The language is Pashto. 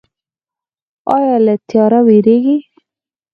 ایا له تیاره ویریږئ؟